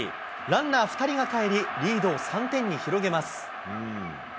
ランナー２人がかえり、リードを３点に広げます。